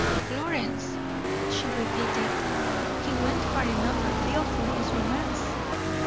"Florence," she repeated; "he went far enough afield for his romance.